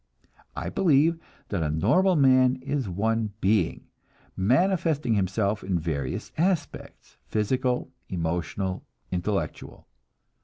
I believe that a normal man is one being, manifesting himself in various aspects, physical, emotional, intellectual.